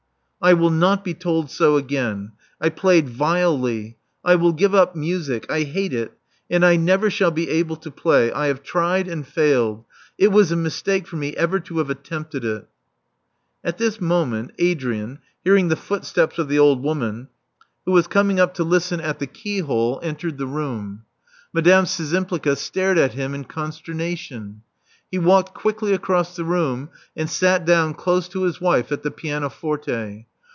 "I will not be told so again. I played vilely. I will give up music. I hate it : and I never shall be able to play. I have tried and failed. It was a mis take for me ever to have attempted it." At this moment Adrian, hearing the footsteps of the old woman, who was coming up to listen at the key Love Among the Artists 375 hole, entered the room. Madame Szczympliga stared at him in consternation. He walked quickly across the room, and sat down close to his wife at the pianoforte.